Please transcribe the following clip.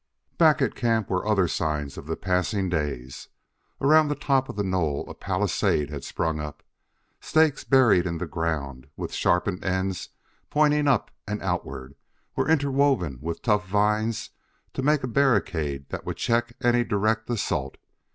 Back at camp were other signs of the passing days. Around the top of the knoll a palisade had sprung up. Stakes buried in the ground, with sharpened ends pointing up and outward, were interwoven with tough vines to make a barricade that would check any direct assault.